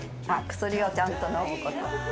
薬をちゃんと飲むこと。